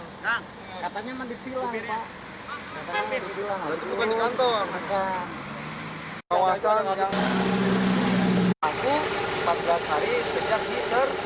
tentunya akibat kejadian ini beberapa hari yang lalu sempat terjadi kemacetan ini